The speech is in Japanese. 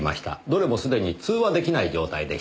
どれもすでに通話出来ない状態でした。